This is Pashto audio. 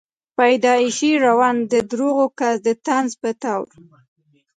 پېدائشي ړوند ته دَروغ کس ته دطنز پۀ طور